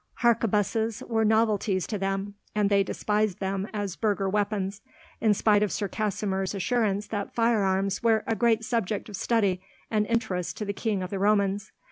Harquebuses were novelties to them, and they despised them as burgher weapons, in spite of Sir Kasimir's assurance that firearms were a great subject of study and interest to the King of the Romans.